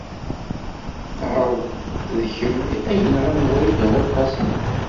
Tqarreḍ-d d kemm ay yenɣan Wrida n At Qasi Muḥ.